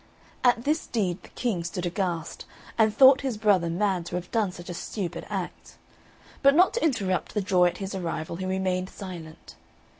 At this deed the King stood aghast, and thought his brother mad to have done such a stupid act; but not to interrupt the joy at his arrival, he remained silent.